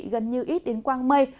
gần như ít đến quang mây